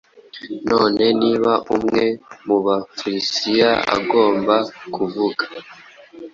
Noneho niba umwe mu Bafrisiya agomba kuvuga